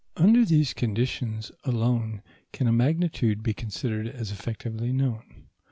Under these conditions alone can a magnitude be considered as effectively known.